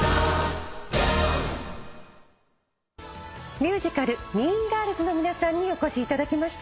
ミュージカル『ＭＥＡＮＧＩＲＬＳ』の皆さんにお越しいただきました。